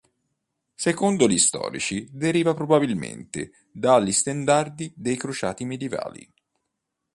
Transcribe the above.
Secondo gli storici deriva probabilmente dagli stendardi dei crociati medievali.